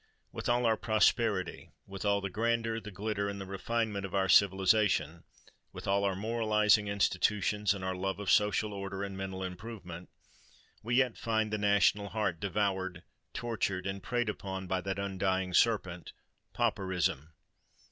With all our prosperity—with all the grandeur, the glitter, and the refinement of our civilisation—with all our moralising institutions and our love of social order and mental improvement, we yet find the national heart devoured, tortured, and preyed upon by that undying serpent—PAUPERISM!